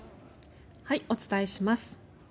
お伝えします。